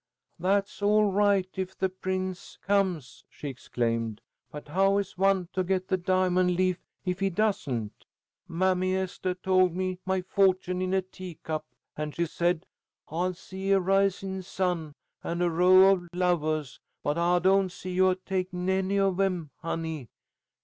"That's all right if the prince comes," she exclaimed. "But how is one to get the diamond leaf if he doesn't? Mammy Eastah told my fortune in a teacup, and she said: 'I see a risin' sun, and a row of lovahs, but I don't see you a takin' any of 'em, honey.